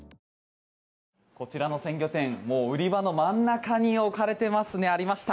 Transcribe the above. こちらの鮮魚店売り場の真ん中に置かれてますねありました。